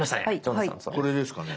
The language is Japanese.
これですかね？